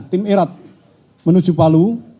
tim erat menuju palu